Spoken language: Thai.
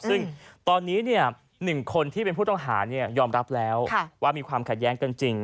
ซึ่งตอนนี้เนี่ยหนึ่งคนที่เป็นผู้ตังหาเนี่ยยอมรับแล้วว่ามีความขัดแย้งจนจริง